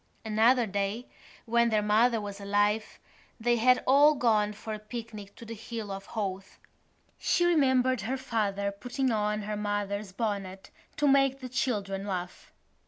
Another day, when their mother was alive, they had all gone for a picnic to the Hill of Howth. She remembered her father putting on her mother's bonnet to make the children laugh.